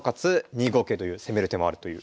２五桂という攻める手もあるという。